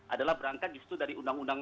adalah berangkat justru dari undang undang